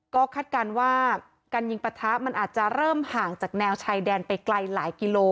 ก็คาดการณ์ว่าการยิงปะทะมันอาจจะเริ่มห่างจากแนวชายแดนไปไกลหลายกิโล